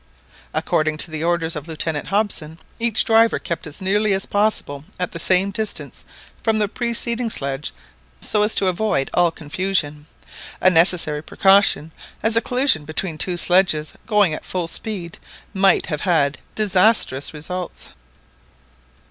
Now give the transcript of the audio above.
According to the orders of Lieutenant Hobson, each driver kept as nearly as possible at the same distance from the preceding sledge, so as to avoid all confusion—a necessary precaution, as a collision between two sledges going at full speed, might have had disastrous results.